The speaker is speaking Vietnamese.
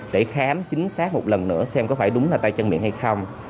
để khám chính xác một lần nữa xem có phải đúng là tay chân miệng hay không